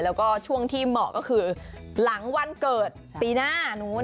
แล้วก็ช่วงที่เหมาะก็คือหลังวันเกิดปีหน้านู้น